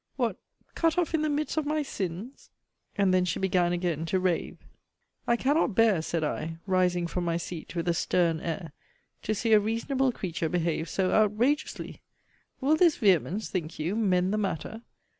What! cut off in the midst of my sins! And then she began again to rave. I cannot bear, said I, rising from my seat with a stern air, to see a reasonable creature behave so outrageously! Will this vehemence, think you, mend the matter?